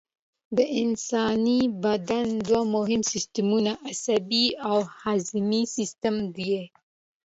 د انساني بدن دوه مهم سیستمونه عصبي او هضمي سیستم دي